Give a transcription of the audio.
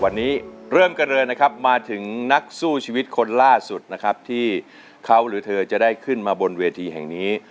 วันนี้เริ่มกันเลยนะครับมาถึงนักสู้ชีวิตคนล่าสุดนะครับที่เขาหรือเธอจะได้ขึ้นมาบนเวทีแห่งนี้